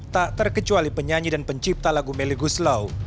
tak terkecuali penyanyi dan pencipta lagu meli guslau